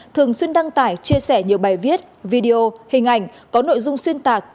thường xuyên đăng tải chia sẻ nhiều bài viết video hình ảnh có nội dung xuyên tạc